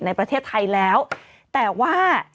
ในประเทศไทยแล้วแต่ว่า